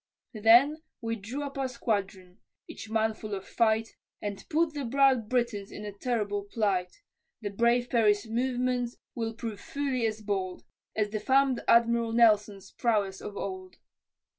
Then we drew up our squadron, each man full of fight, And put the proud Britons in a terrible plight, The brave Perry's movements will prove fully as bold, As the fam'd Admiral Nelson's prowess of old.